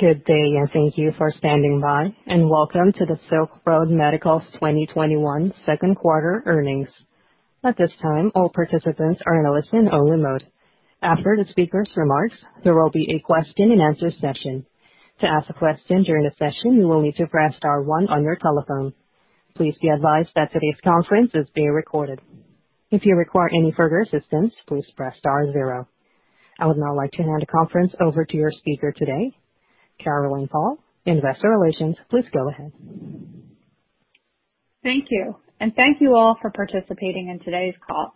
Good day, and thank you for standing by, and welcome to the Silk Road Medical's 2021 Q2 earnings. At this time, all participants are in a listen-only mode. After the speakers' remarks, there will be a question and answer session. To ask a question during the session, you will need to press star one on your telephone. Please be advised that today's conference is being recorded. If you require any further assistance, please press star zero. I would now like to hand the conference over to your speaker today, Caroline Paul, investor relations. Please go ahead. Thank you, and thank you all for participating in today's call.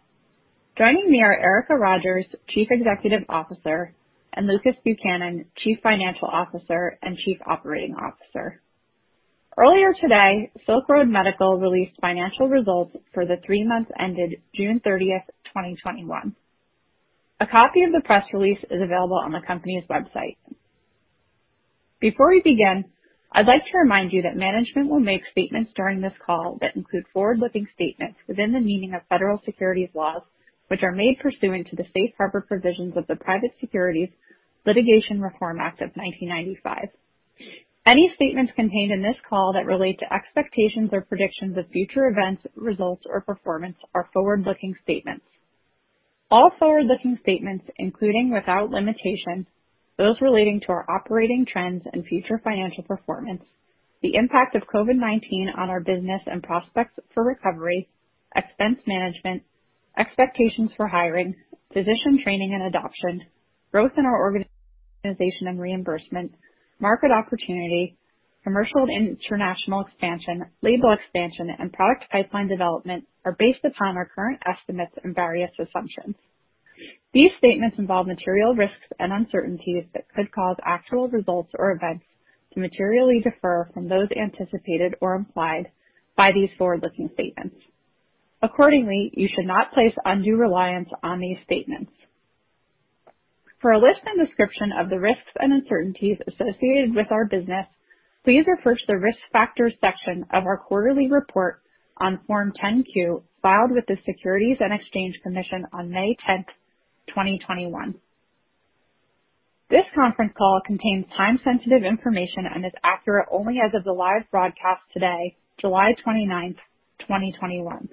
Joining me are Erica Rogers, Chief Executive Officer, and Lucas Buchanan, Chief Financial Officer and Chief Operating Officer. Earlier today, Silk Road Medical released financial results for the three months ended June 30th, 2021. A copy of the press release is available on the company's website. Before we begin, I'd like to remind you that management will make statements during this call that include forward-looking statements within the meaning of federal securities laws, which are made pursuant to the Safe Harbor provisions of the Private Securities Litigation Reform Act of 1995. Any statements contained in this call that relate to expectations or predictions of future events, results, or performance are forward-looking statements. All forward-looking statements, including, without limitation, those relating to our operating trends and future financial performance, the impact of COVID-19 on our business and prospects for recovery, expense management, expectations for hiring, physician training and adoption, growth in our organization and reimbursement, market opportunity, commercial and international expansion, label expansion, and product pipeline development are based upon our current estimates and various assumptions. These statements involve material risks and uncertainties that could cause actual results or events to materially differ from those anticipated or implied by these forward-looking statements. Accordingly, you should not place undue reliance on these statements. For a list and description of the risks and uncertainties associated with our business, please refer to the Risk Factors section of our quarterly report on Form 10-Q filed with the Securities and Exchange Commission on May 10, 2021. This conference call contains time-sensitive information and is accurate only as of the live broadcast today, July 29th, 2021.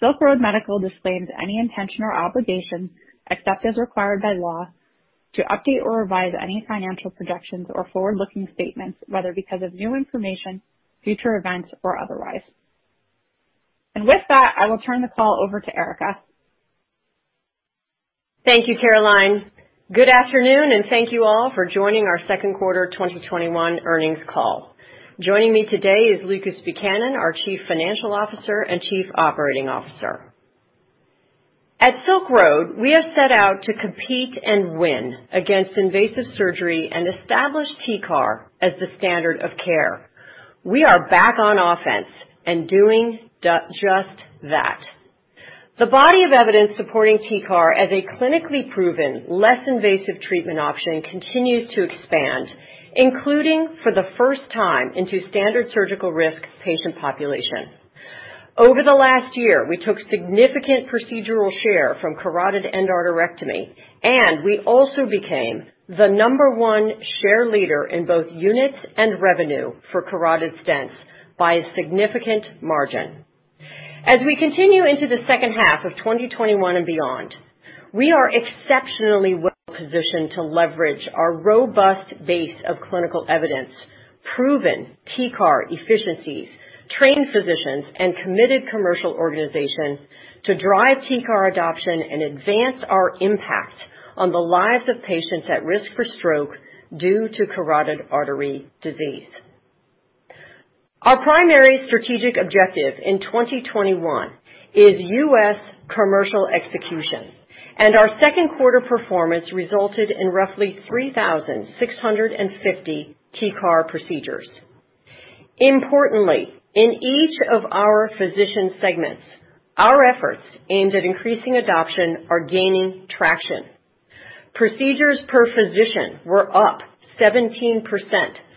Silk Road Medical disclaims any intention or obligation, except as required by law, to update or revise any financial projections or forward-looking statements, whether because of new information, future events, or otherwise. With that, I will turn the call over to Erica. Thank you, Caroline. Good afternoon, thank you all for joining our Q2 2021 earnings call. Joining me today is Lucas Buchanan, our Chief Financial Officer and Chief Operating Officer. At Silk Road, we have set out to compete and win against invasive surgery and establish TCAR as the standard of care. We are back on offense doing just that. The body of evidence supporting TCAR as a clinically proven, less invasive treatment option continues to expand, including for the first time into standard surgical risk patient population. Over the last year, we took significant procedural share from carotid endarterectomy, we also became the number one share leader in both units and revenue for carotid stents by a significant margin. As we continue into the H2 of 2021 and beyond, we are exceptionally well positioned to leverage our robust base of clinical evidence, proven TCAR efficiencies, trained physicians, and committed commercial organization to drive TCAR adoption and advance our impact on the lives of patients at risk for stroke due to carotid artery disease. Our primary strategic objective in 2021 is U.S. commercial execution, and our Q2 performance resulted in roughly 3,650 TCAR procedures. Importantly, in each of our physician segments, our efforts aimed at increasing adoption are gaining traction. Procedures per physician were up 17%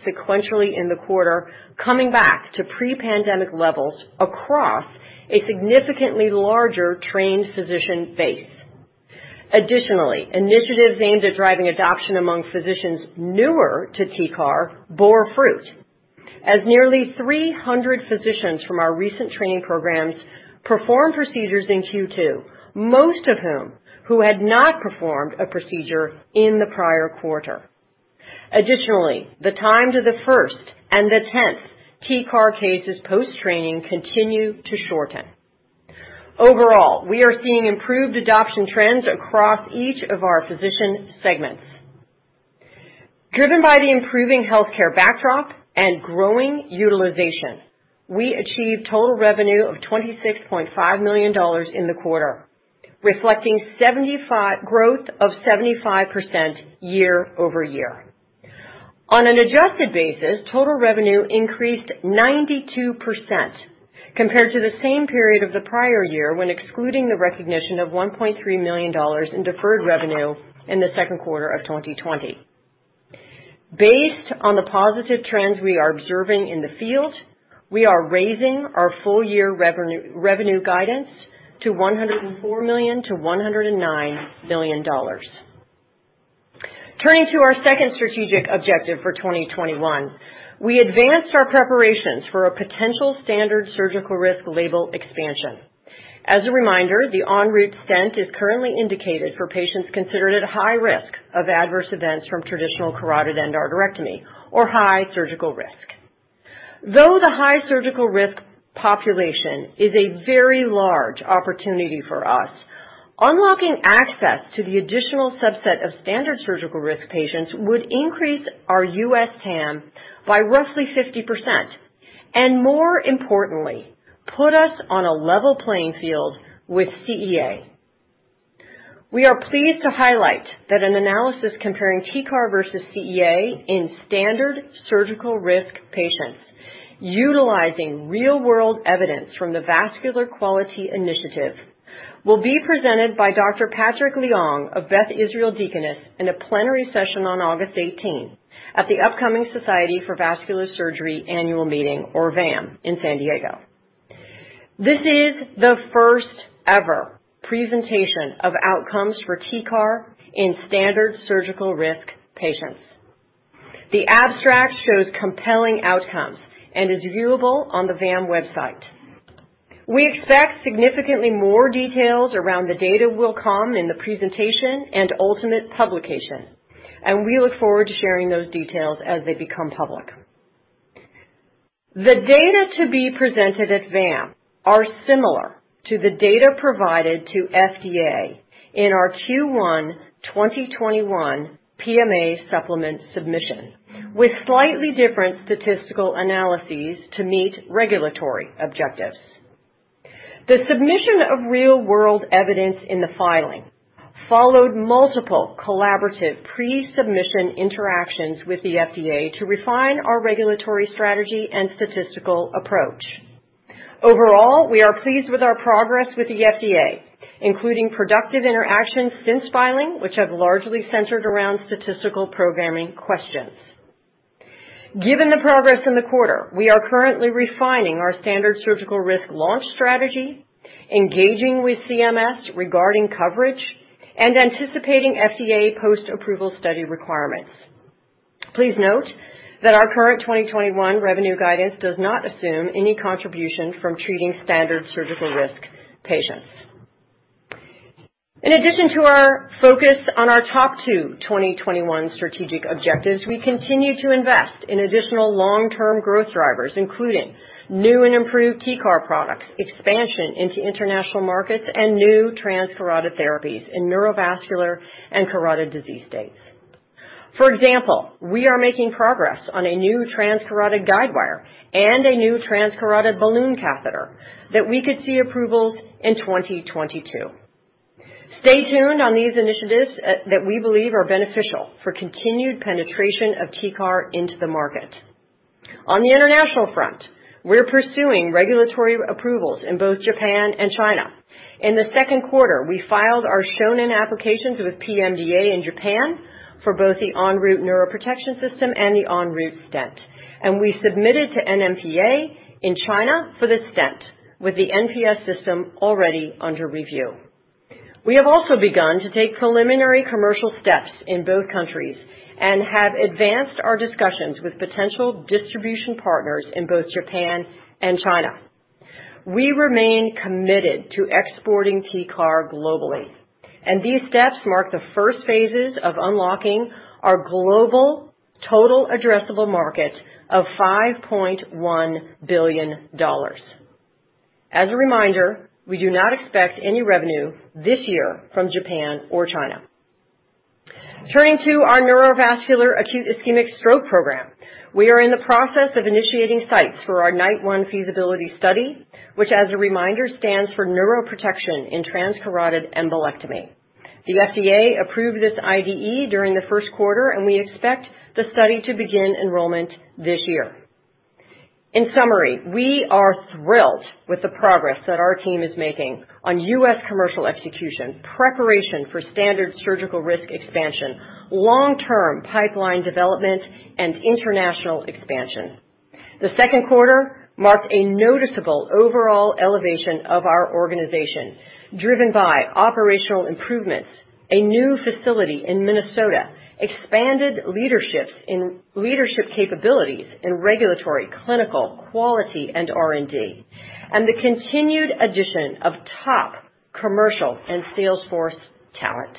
sequentially in the quarter, coming back to pre-pandemic levels across a significantly larger trained physician base. Additionally, initiatives aimed at driving adoption among physicians newer to TCAR bore fruit, as nearly 300 physicians from our recent training programs performed procedures in Q2, most of whom who had not performed a procedure in the prior quarter. The time to the first and the 10th TCAR cases post-training continue to shorten. Overall, we are seeing improved adoption trends across each of our physician segments. Driven by the improving healthcare backdrop and growing utilization, we achieved total revenue of $26.5 million in the quarter, reflecting growth of 75% year-over-year. On an adjusted basis, total revenue increased 92% compared to the same period of the prior year when excluding the recognition of $1.3 million in deferred revenue in the Q2 of 2020. Based on the positive trends we are observing in the field. We are raising our full-year revenue guidance to $104 million-$109 million. Turning to our second strategic objective for 2021, we advanced our preparations for a potential standard surgical risk label expansion. As a reminder, the ENROUTE stent is currently indicated for patients considered at high risk of adverse events from traditional carotid endarterectomy or high surgical risk. Though the high surgical risk population is a very large opportunity for us, unlocking access to the additional subset of standard surgical risk patients would increase our U.S. TAM by roughly 50%, and more importantly, put us on a level playing field with CEA. We are pleased to highlight that an analysis comparing TCAR versus CEA in standard surgical risk patients, utilizing real-world evidence from the Vascular Quality Initiative, will be presented by Dr. Patric Liang of Beth Israel Deaconess in a plenary session on August 18 at the upcoming Society for Vascular Surgery annual meeting, or VAM, in San Diego. This is the first ever presentation of outcomes for TCAR in standard surgical risk patients. The abstract shows compelling outcomes and is viewable on the VAM website. We expect significantly more details around the data will come in the presentation and ultimate publication, and we look forward to sharing those details as they become public. The data to be presented at VAM are similar to the data provided to FDA in our Q1 2021 PMA supplement submission, with slightly different statistical analyses to meet regulatory objectives. The submission of real-world evidence in the filing followed multiple collaborative pre-submission interactions with the FDA to refine our regulatory strategy and statistical approach. Overall, we are pleased with our progress with the FDA, including productive interactions since filing, which have largely centered around statistical programming questions. Given the progress in the quarter, we are currently refining our standard surgical risk launch strategy, engaging with CMS regarding coverage, and anticipating FDA post-approval study requirements. Please note that our current 2021 revenue guidance does not assume any contribution from treating standard surgical risk patients. In addition to our focus on our top two 2021 strategic objectives, we continue to invest in additional long-term growth drivers, including new and improved TCAR products, expansion into international markets, and new transcarotid therapies in neurovascular and carotid disease states. For example, we are making progress on a new TransCarotid guide wire and a new TransCarotid balloon catheter that we could see approvals in 2022. Stay tuned on these initiatives that we believe are beneficial for continued penetration of TCAR into the market. On the international front, we're pursuing regulatory approvals in both Japan and China. In the Q2, we filed our Shonin applications with PMDA in Japan for both the ENROUTE neuroprotection system and the ENROUTE stent, and we submitted to NMPA in China for the stent, with the NPS system already under review. We have also begun to take preliminary commercial steps in both countries and have advanced our discussions with potential distribution partners in both Japan and China. We remain committed to exporting TCAR globally, and these steps mark the first phases of unlocking our global total addressable market of $5.1 billion. As a reminder, we do not expect any revenue this year from Japan or China. Turning to our neurovascular acute ischemic stroke program. We are in the process of initiating sites for our NITE 1 feasibility study, which, as a reminder, stands for Neuroprotection in Transcarotid Embolectomy. The FDA approved this IDE during the Q1. We expect the study to begin enrollment this year. In summary, we are thrilled with the progress that our team is making on U.S. commercial execution, preparation for standard surgical risk expansion, long-term pipeline development, and international expansion. The Q2 marked a noticeable overall elevation of our organization, driven by operational improvements, a new facility in Minnesota, expanded leadership capabilities in regulatory, clinical, quality, and R&D, and the continued addition of top commercial and sales force talent.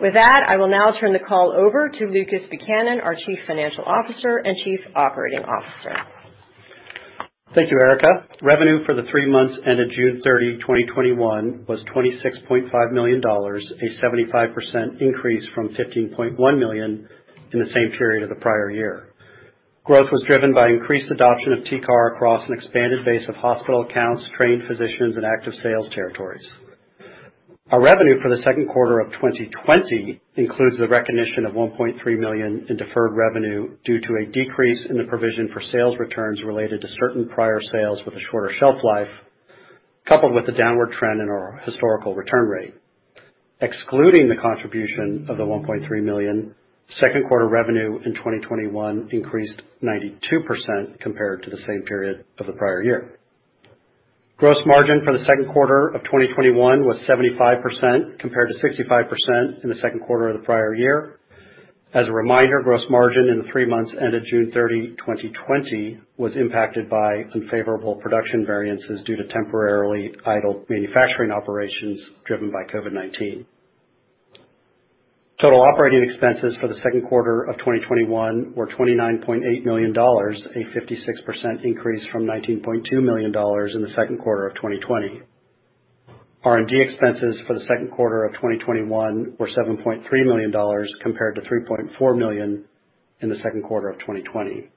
With that, I will now turn the call over to Lucas Buchanan, our Chief Financial Officer and Chief Operating Officer. Thank you, Erica. Revenue for the three months ended June 30, 2021, was $26.5 million, a 75% increase from $15.1 million in the same period of the prior year. Growth was driven by increased adoption of TCAR across an expanded base of hospital accounts, trained physicians, and active sales territories. Our revenue for the Q2 of 2020 includes the recognition of $1.3 million in deferred revenue due to a decrease in the provision for sales returns related to certain prior sales with a shorter shelf life. Coupled with the downward trend in our historical return rate. Excluding the contribution of the $1.3 million, Q2 revenue in 2021 increased 92% compared to the same period of the prior year. Gross margin for the Q2 of 2021 was 75%, compared to 65% in the Q2 of the prior year. As a reminder, gross margin in the THREE months ended June 30, 2020, was impacted by unfavorable production variances due to temporarily idled manufacturing operations driven by COVID-19. Total operating expenses for the Q2 of 2021 were $29.8 million, a 56% increase from $19.2 million in the Q2 of 2020. R&D expenses for the Q2 of 2021 were $7.3 million, compared to $3.4 million in the Q2 of 2020.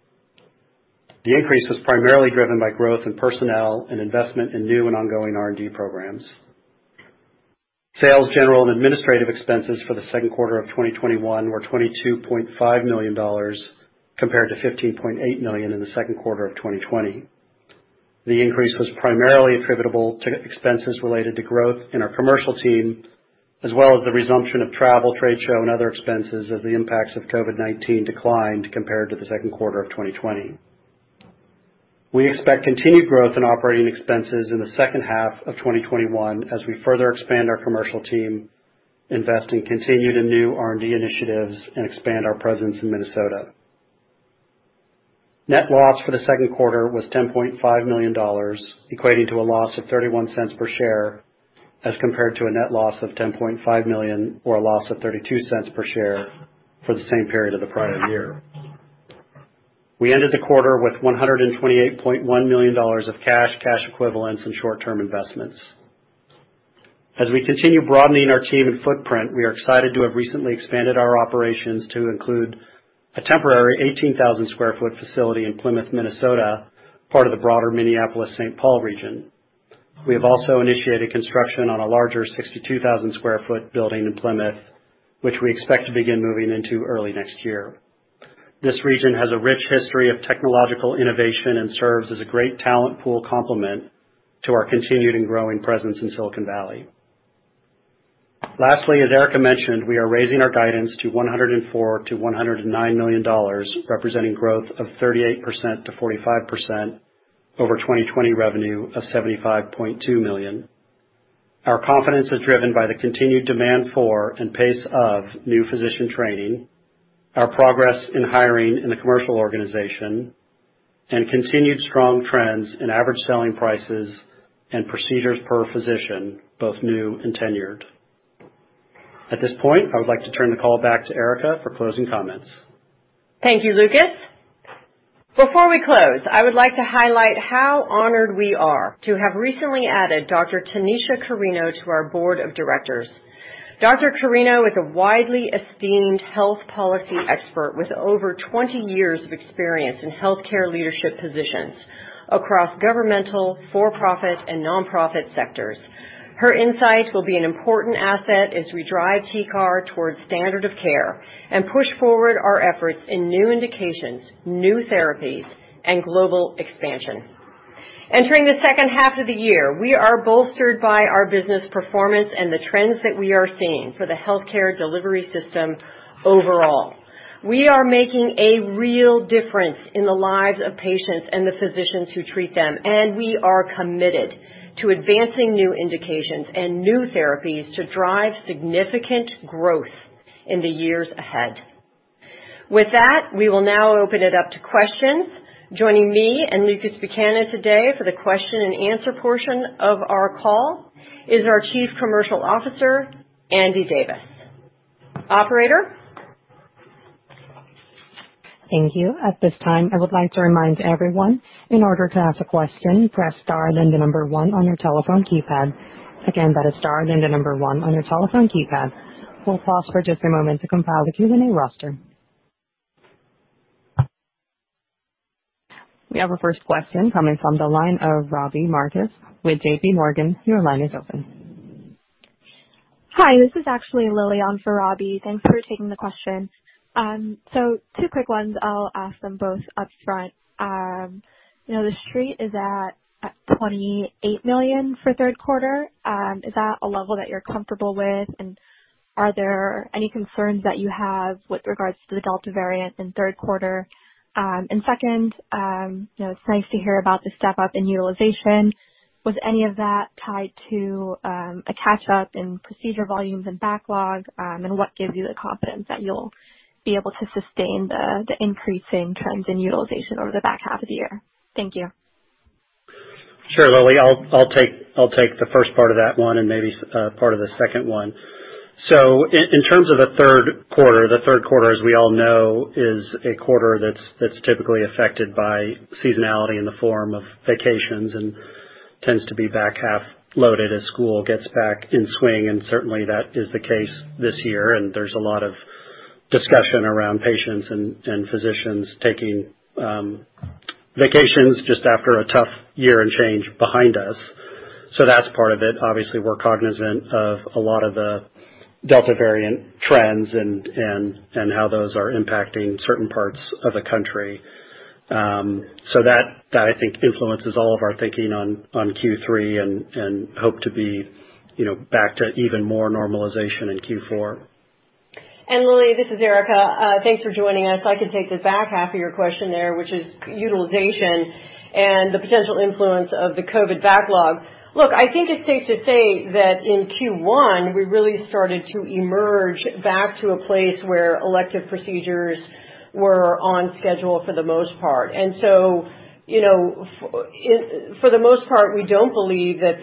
The increase was primarily driven by growth in personnel and investment in new and ongoing R&D programs. Sales, general, and administrative expenses for the Q2 of 2021 were $22.5 million, compared to $15.8 million in the Q2 of 2020. The increase was primarily attributable to expenses related to growth in our commercial team, as well as the resumption of travel, trade show, and other expenses as the impacts of COVID-19 declined compared to the Q2 of 2020. We expect continued growth in operating expenses in the H2 of 2021 as we further expand our commercial team, invest in continued and new R&D initiatives, and expand our presence in Minnesota. Net loss for the Q2 was $10.5 million, equating to a loss of $0.31 per share, as compared to a net loss of $10.5 million, or a loss of $0.32 per share for the same period of the prior year. We ended the quarter with $128.1 million of cash equivalents, and short-term investments. As we continue broadening our team and footprint, we are excited to have recently expanded our operations to include a temporary 18,000 sq ft facility in Plymouth, Minnesota, part of the broader Minneapolis-St. Paul region. We have also initiated construction on a larger 62,000 sq ft building in Plymouth, which we expect to begin moving into early next year. This region has a rich history of technological innovation and serves as a great talent pool complement to our continued and growing presence in Silicon Valley. Lastly, as Erica mentioned, we are raising our guidance to $104 million-$109 million, representing growth of 38%-45% over 2020 revenue of $75.2 million. Our confidence is driven by the continued demand for and pace of new physician training, our progress in hiring in the commercial organization, and continued strong trends in average selling prices and procedures per physician, both new and tenured. At this point, I would like to turn the call back to Erica for closing comments. Thank you, Lucas. Before we close, I would like to highlight how honored we are to have recently added Dr. Tanisha Carino to our board of directors. Dr. Carino is a widely esteemed health policy expert with over 20 years of experience in healthcare leadership positions across governmental, for-profit, and non-profit sectors. Her insight will be an important asset as we drive TCAR towards standard of care and push forward our efforts in new indications, new therapies, and global expansion. Entering the H2 of the year, we are bolstered by our business performance and the trends that we are seeing for the healthcare delivery system overall. We are making a real difference in the lives of patients and the physicians who treat them, and we are committed to advancing new indications and new therapies to drive significant growth in the years ahead. With that, we will now open it up to questions. Joining me and Lucas Buchanan today for the question and answer portion of our call is our Chief Commercial Officer, Andrew Davis. Operator? Thank you. At this time, I would like to remind everyone, in order to ask a question, press star then the number 1 on your telephone keypad. Again, that is star and then the number one on your telephone keypad. We'll pause for just a moment to compile the Q&A roster. We have our first question coming from the line of Robbie Marcus with JPMorgan. Your line is open. Hi, this is actually Lillian for Robbie. Thanks for taking the question. Two quick ones. I'll ask them both upfront. The Street is at $28 million for Q3. Is that a level that you're comfortable with, and are there any concerns that you have with regards to the Delta variant in Q3? Second, it's nice to hear about the step-up in utilization. Was any of that tied to a catch-up in procedure volumes and backlog? What gives you the confidence that you'll be able to sustain the increasing trends in utilization over the back half of the year? Thank you. Sure, Lillian. I'll take the first part of that one and maybe part of the second one. In terms of the Q3, the Q3, as we all know, is a quarter that's typically affected by seasonality in the form of vacations and tends to be back-half loaded as school gets back in swing. Certainly that is the case this year, and there's a lot of discussion around patients and physicians taking vacations just after a tough year and change behind us. That's part of it. Obviously, we're cognizant of a lot of the Delta variant trends and how those are impacting certain parts of the country. That I think influences all of our thinking on Q3 and hope to be back to even more normalization in Q4. Lillian, this is Erica. Thanks for joining us. I can take the back half of your question there, which is utilization and the potential influence of the COVID-19 backlog. Look, I think it's safe to say that in Q1, we really started to emerge back to a place where elective procedures were on schedule for the most part. For the most part, we don't believe that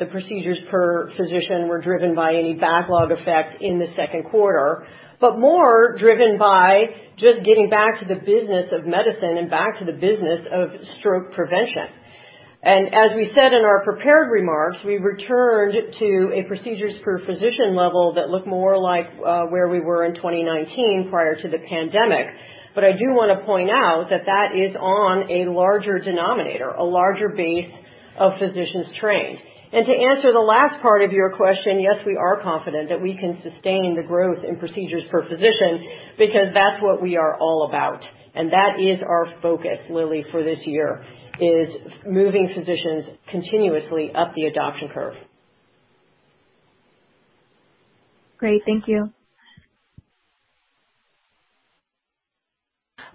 the procedures per physician were driven by any backlog effect in the Q2, but more driven by just getting back to the business of medicine and back to the business of stroke prevention. As we said in our prepared remarks, we returned to a procedures per physician level that looked more like where we were in 2019 prior to the pandemic. I do want to point out that that is on a larger denominator, a larger base of physicians trained. To answer the last part of your question, yes, we are confident that we can sustain the growth in procedures per physician because that's what we are all about. That is our focus, Lillian, for this year, is moving physicians continuously up the adoption curve. Great. Thank you.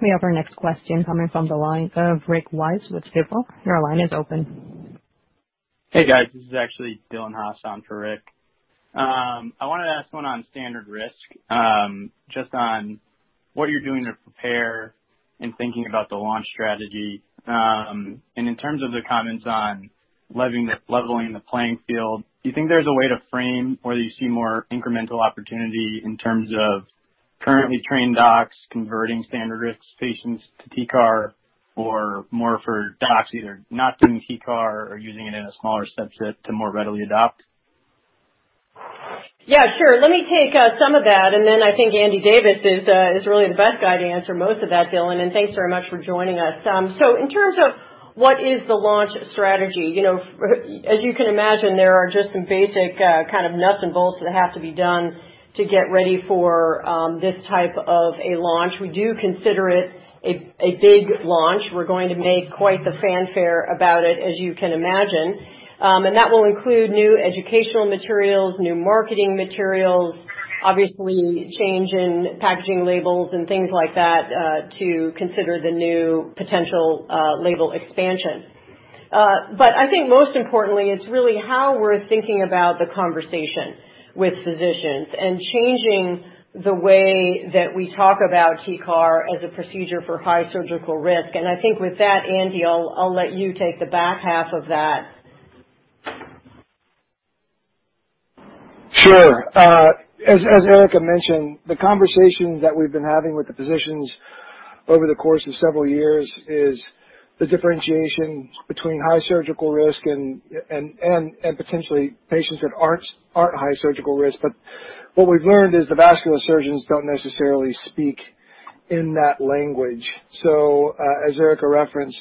We have our next question coming from the line of Rick Wise with Stifel. Your line is open. Hey, guys. This is actually Dylan Haas on for Rick. I wanted to ask one on standard-risk, just on what you're doing to prepare in thinking about the launch strategy. In terms of the comments on leveling the playing field, do you think there's a way to frame whether you see more incremental opportunity in terms of currently trained docs converting standard-risk patients to TCAR or more for docs either not doing TCAR or using it in a smaller subset to more readily adopt? Yeah, sure. Let me take some of that, and then I think Andrew Davis is really the best guy to answer most of that, Dylan, and thanks very much for joining us. In terms of what is the launch strategy, as you can imagine, there are just some basic kind of nuts and bolts that have to be done to get ready for this type of a launch. We do consider it a big launch. We're going to make quite the fanfare about it, as you can imagine. That will include new educational materials, new marketing materials, obviously change in packaging labels and things like that, to consider the new potential label expansion. I think most importantly, it's really how we're thinking about the conversation with physicians and changing the way that we talk about TCAR as a procedure for high surgical risk. I think with that, Andrew, I'll let you take the back half of that. Sure. As Erica mentioned, the conversations that we've been having with the physicians over the course of several years is the differentiation between high surgical risk and potentially patients that aren't high surgical risk. What we've learned is the vascular surgeons don't necessarily speak in that language. As Erica referenced,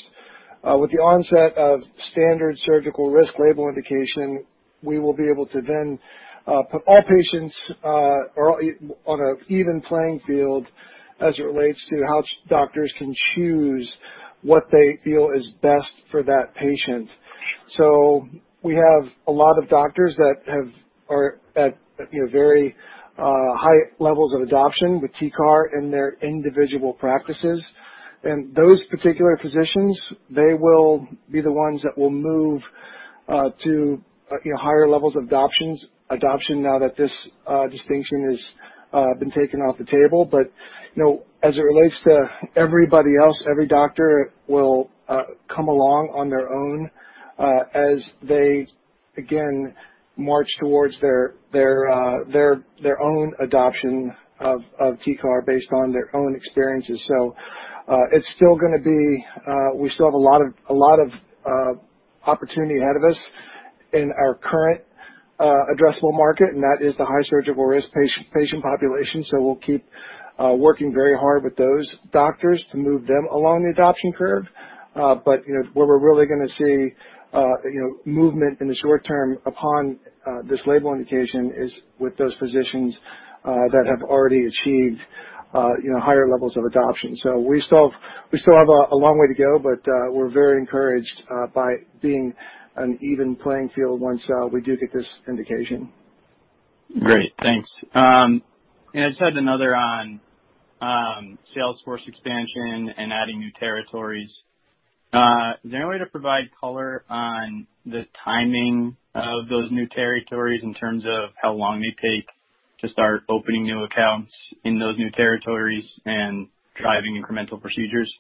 with the onset of standard surgical risk label indication, we will be able to then put all patients on an even playing field as it relates to how doctors can choose what they feel is best for that patient. We have a lot of doctors that are at very high levels of adoption with TCAR in their individual practices. Those particular physicians, they will be the ones that will move to higher levels of adoption now that this distinction has been taken off the table. As it relates to everybody else, every doctor will come along on their own as they, again, march towards their own adoption of TCAR based on their own experiences. We still have a lot of opportunity ahead of us in our current addressable market, and that is the high surgical risk patient population. We'll keep working very hard with those doctors to move them along the adoption curve. Where we're really going to see movement in the short term upon this label indication is with those physicians that have already achieved higher levels of adoption. We still have a long way to go, but we're very encouraged by being an even playing field once we do get this indication. Great, thanks. Just had another on sales force expansion and adding new territories, is there any way to provide color on the timing of those new territories in terms of how long they take to start opening new accounts in those new territories and driving incremental procedures?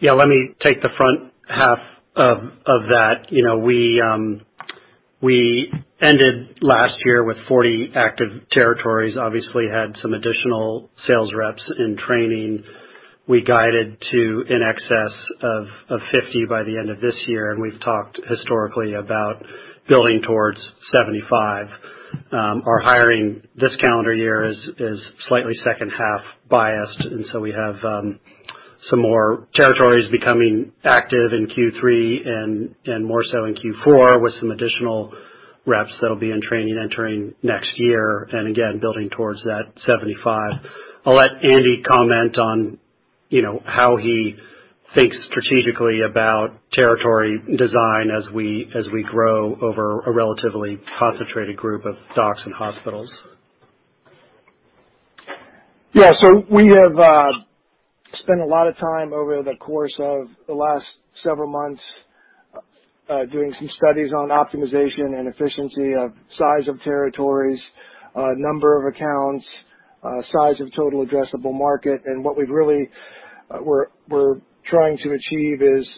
Yeah, let me take the front half of that. We ended last year with 40 active territories, obviously had some additional sales reps in training. We guided to in excess of 50 by the end of this year, and we've talked historically about building towards 75. Our hiring this calendar year is slightly H2 biased, and so we have some more territories becoming active in Q3 and more so in Q4 with some additional Reps that'll be in training entering next year, and again, building towards that 75. I'll let Andrew Davis comment on how he thinks strategically about territory design as we grow over a relatively concentrated group of docs and hospitals. Yeah. We have spent a lot of time over the course of the last several months doing some studies on optimization and efficiency of size of territories, number of accounts, size of total addressable market. What we're trying to achieve is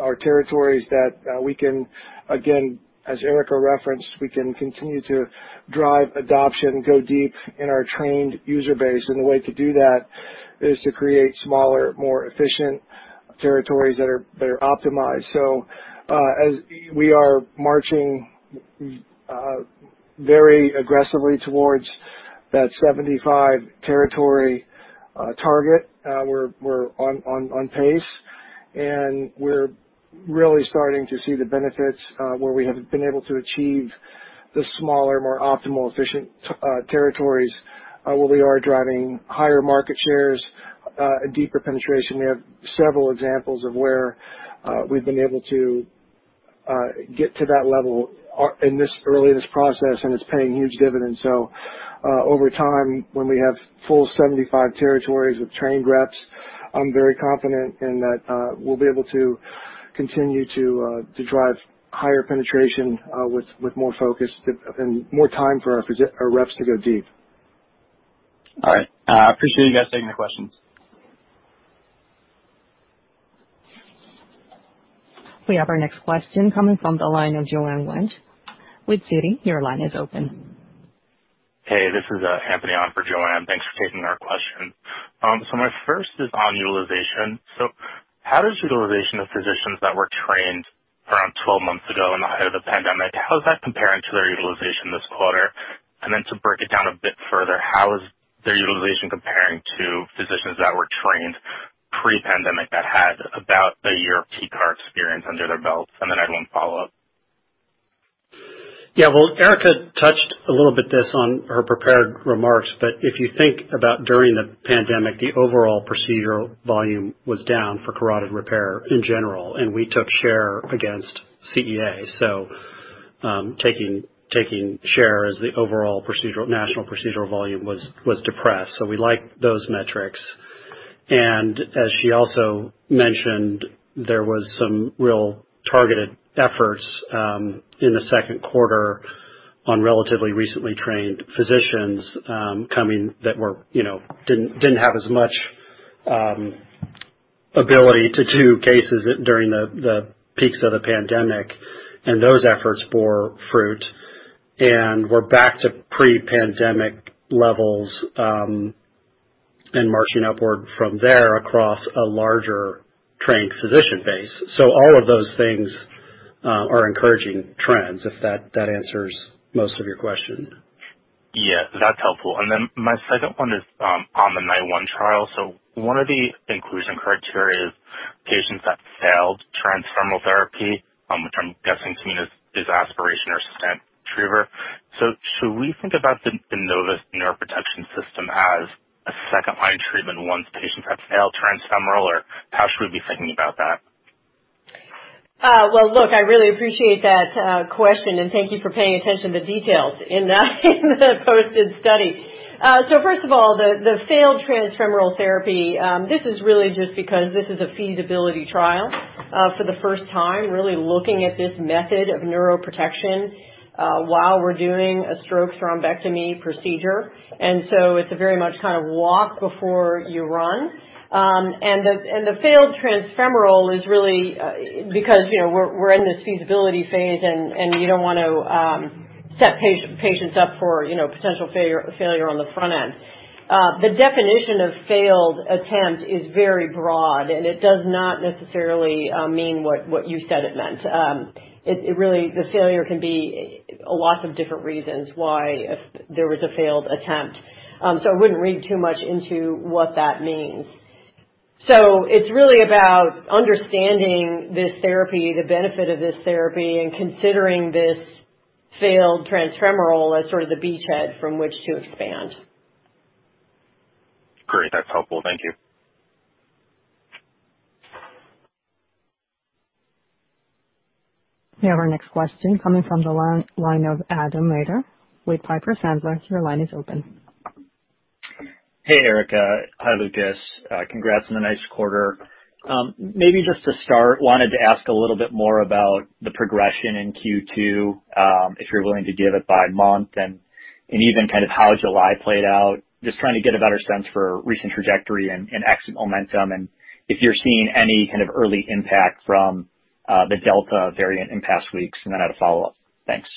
our territories that we can, again, as Erica referenced, we can continue to drive adoption, go deep in our trained user base. The way to do that is to create smaller, more efficient territories that are optimized. As we are marching very aggressively towards that 75 territory target, we're on pace, and we're really starting to see the benefits, where we have been able to achieve the smaller, more optimal, efficient territories, where we are driving higher market shares, a deeper penetration. We have several examples of where we've been able to get to that level early in this process, and it's paying huge dividends. Over time, when we have full 75 territories with trained reps, I'm very confident in that we'll be able to continue to drive higher penetration with more focus and more time for our reps to go deep. All right. I appreciate you guys taking the questions. We have our next question coming from the line of Joanne Wuensch with Citi. Your line is open. Hey, this is Anthony on for Joanne Wuensch. Thanks for taking our question. My first is on utilization. How does utilization of physicians that were trained around 12 months ago in the height of the pandemic, how is that comparing to their utilization this quarter? To break it down a bit further, how is their utilization comparing to physicians that were trained pre-pandemic that had about a year of TCAR experience under their belt? I have one follow-up. Yeah. Well, Erica touched a little bit this on her prepared remarks. If you think about during the pandemic, the overall procedural volume was down for carotid repair in general, and we took share against CEA. Taking share as the overall national procedural volume was depressed. We like those metrics. As she also mentioned, there was some real targeted efforts in the Q2 on relatively recently trained physicians coming that didn't have as much ability to do cases during the peaks of the pandemic, and those efforts bore fruit. We're back to pre-pandemic levels and marching upward from there across a larger trained physician base. All of those things are encouraging trends, if that answers most of your question. Yeah. That's helpful. My second one is on the NITE-1 trial. One of the inclusion criteria is patients that failed transfemoral therapy, which I'm guessing to mean is aspiration or stent retriever. Should we think about the NOVIS neuroprotection system as a second-line treatment once patients have failed transfemoral? How should we be thinking about that? Well, look, I really appreciate that question, and thank you for paying attention to details in the posted study. First of all, the failed transfemoral therapy, this is really just because this is a feasibility trial for the first time, really looking at this method of neuroprotection while we're doing a stroke thrombectomy procedure. It's a very much kind of walk before you run. The failed transfemoral is really because we're in this feasibility phase and you don't want to set patients up for potential failure on the front end. The definition of failed attempt is very broad, and it does not necessarily mean what you said it meant. The failure can be lots of different reasons why there was a failed attempt. I wouldn't read too much into what that means. It's really about understanding this therapy, the benefit of this therapy, and considering this failed transfemoral as sort of the beachhead from which to expand. Great. That's helpful. Thank you. We have our next question coming from the line of Adam Maeder with Piper Sandler. Your line is open. Hey, Erica. Hi, Lucas. Congrats on a nice quarter. Maybe just to start, wanted to ask a little bit more about the progression in Q2, if you're willing to give it by month, and even kind of how July played out. Just trying to get a better sense for recent trajectory and exit momentum and if you're seeing any kind of early impact from the Delta variant in past weeks, and then I have a follow-up. Thanks.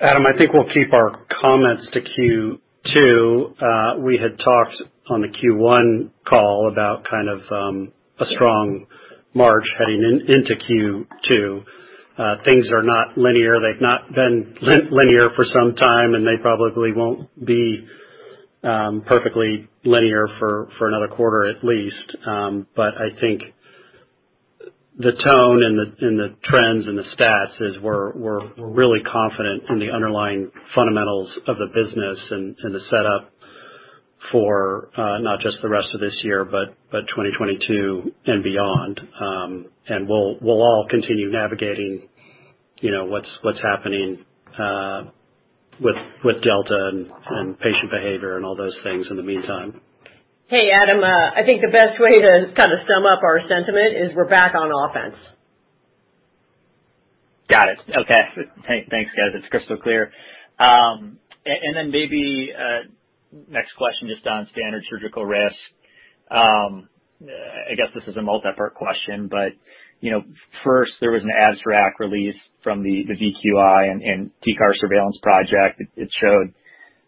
Adam, I think we'll keep our comments to Q2. We had talked on the Q1 call about kind of a strong March heading into Q2. Things are not linear. They've not been linear for some time, and they probably won't be perfectly linear for another quarter at least. I think the tone and the trends and the stats is we're really confident in the underlying fundamentals of the business and the setup for not just the rest of this year, but 2022 and beyond. We'll all continue navigating what's happening with Delta and patient behavior and all those things in the meantime. Hey, Adam, I think the best way to kind of sum up our sentiment is we're back on offense. Got it. Okay. Thanks, guys. It's crystal clear. Maybe next question just on standard surgical risk. I guess this is a multi-part question, but first there was an abstract release from the VQI and TCAR surveillance project. It showed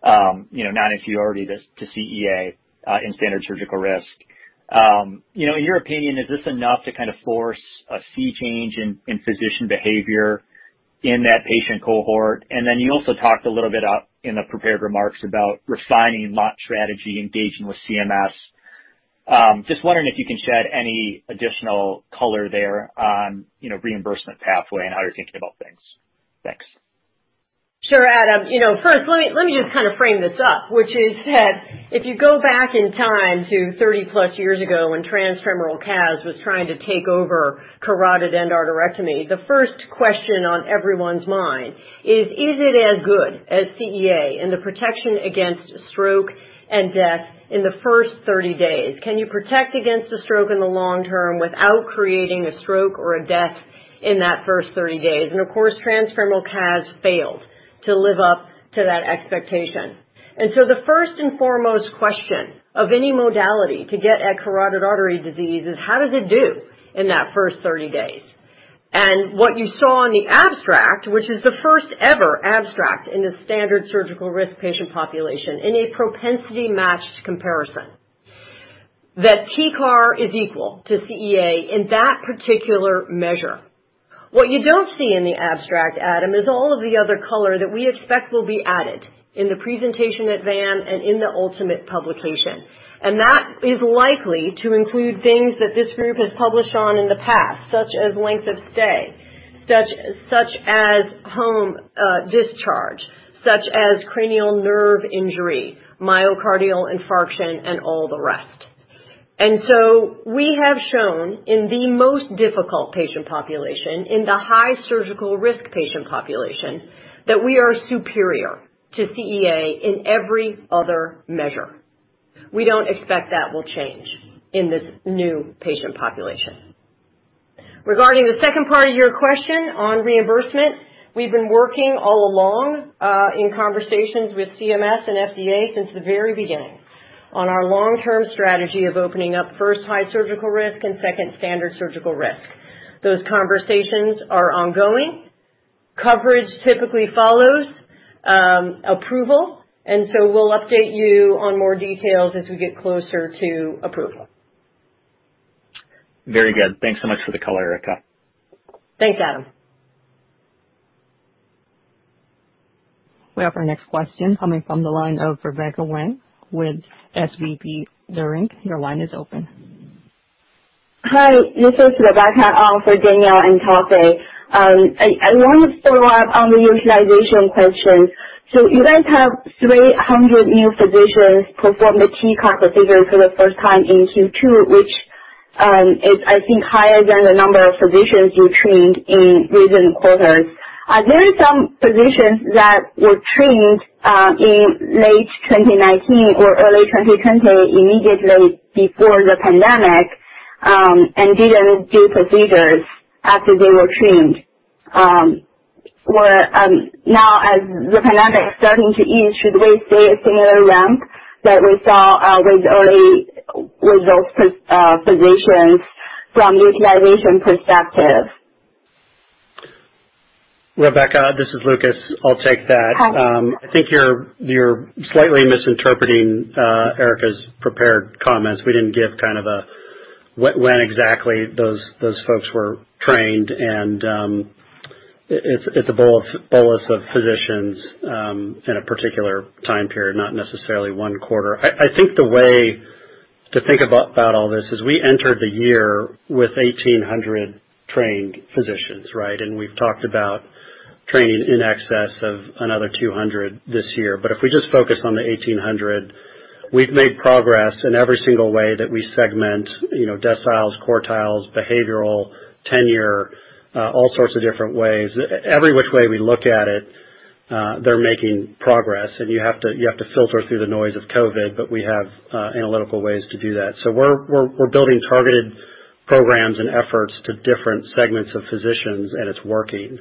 non-inferiority to CEA in standard surgical risk. In your opinion, is this enough to kind of force a sea change in physician behavior in that patient cohort? You also talked a little bit in the prepared remarks about refining lot strategy, engaging with CMS. Just wondering if you can shed any additional color there on reimbursement pathway and how you're thinking about things. Thanks. Sure, Adam. First, let me just kind of frame this up, which is that if you go back in time to 30+ years ago when transfemoral CAS was trying to take over carotid endarterectomy, the first question on everyone's mind is it as good as CEA in the protection against stroke and death in the first 30 days? Can you protect against a stroke in the long term without creating a stroke or a death in that first 30 days? Of course, transfemoral CAS failed to live up to that expectation. The first and foremost question of any modality to get at carotid artery disease is how does it do in that first 30 days? What you saw in the abstract, which is the first ever abstract in the standard surgical risk patient population in a propensity matched comparison, that TCAR is equal to CEA in that particular measure. What you don't see in the abstract, Adam, is all of the other color that we expect will be added in the presentation at VAM and in the ultimate publication. That is likely to include things that this group has published on in the past, such as length of stay, such as home discharge, such as cranial nerve injury, myocardial infarction, and all the rest. We have shown in the most difficult patient population, in the high surgical risk patient population, that we are superior to CEA in every other measure. We don't expect that will change in this new patient population. Regarding the second part of your question on reimbursement, we've been working all along, in conversations with CMS and FDA since the very beginning on our long-term strategy of opening up first high surgical risk and second standard surgical risk. Those conversations are ongoing. Coverage typically follows approval. We'll update you on more details as we get closer to approval. Very good. Thanks so much for the color, Erica. Thanks, Adam. We have our next question coming from the line of Rebecca Wang with SVB Leerink. Your line is open. Hi, this is Rebecca for Danielle Antalffy. I wanted to follow up on the utilization question. You guys have 300 new physicians perform the TCAR procedure for the first time in Q2, which is, I think, higher than the number of physicians you trained in recent quarters. There are some physicians that were trained in late 2019 or early 2020, immediately before the pandemic, and didn't do procedures after they were trained. As the pandemic is starting to ease, should we see a similar ramp that we saw with those physicians from utilization perspective? Rebecca, this is Lucas. I'll take that. Hi. I think you're slightly misinterpreting Erica's prepared comments. We didn't give when exactly those folks were trained, and it's a bolus of physicians in a particular time period, not necessarily one quarter. I think the way to think about all this is we entered the year with 1,800 trained physicians, right? We've talked about training in excess of another 200 this year. If we just focus on the 1,800, we've made progress in every single way that we segment deciles, quartiles, behavioral, tenure, all sorts of different ways. Every which way we look at it, they're making progress, and you have to filter through the noise of COVID, we have analytical ways to do that. We're building targeted programs and efforts to different segments of physicians, and it's working.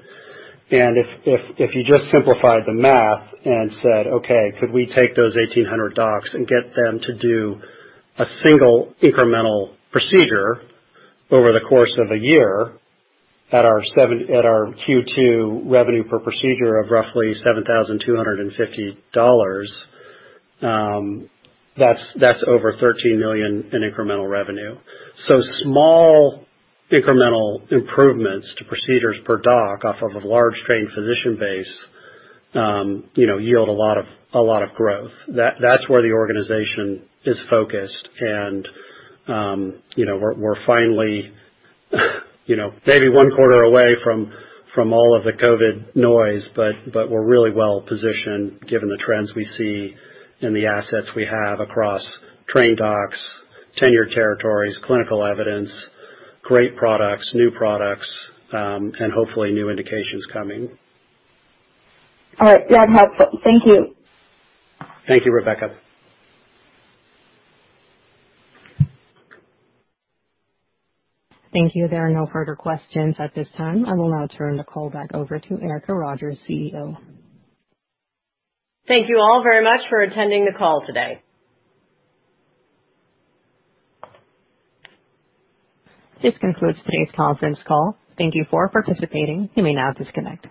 If you just simplify the math and said, "Okay, could we take those 1,800 docs and get them to do a single incremental procedure over the course of a year at our Q2 revenue per procedure of roughly $7,250?" That's over $13 million in incremental revenue. Small incremental improvements to procedures per doc off of a large trained physician base yield a lot of growth. That's where the organization is focused. We're finally maybe one quarter away from all of the COVID noise, but we're really well-positioned given the trends we see and the assets we have across trained docs, tenured territories, clinical evidence, great products, new products, and hopefully new indications coming. All right. That helps. Thank you. Thank you, Rebecca. Thank you. There are no further questions at this time. I will now turn the call back over to Erica Rogers, CEO. Thank you all very much for attending the call today. This concludes today's conference call. Thank you for participating. You may now disconnect.